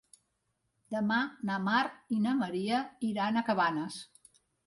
Demà na Mar i na Maria iran a Cabanes.